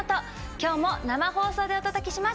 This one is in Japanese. きょうも生放送でお届けします。